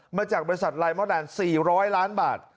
มาจากบริษัทลายเมื่อนาน๔๐๐ล้านบาท